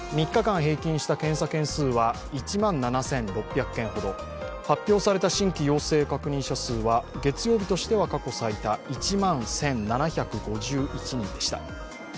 ３日間平均した検査件数は１万７６００件ほど、発表された新規陽性確認者数は月曜日としては過去最多、１万１７５１人でした。